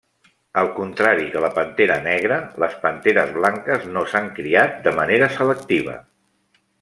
Al contrari que la pantera negra les panteres blanques no s'han criat de manera selectiva.